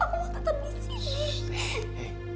aku mau tetap disini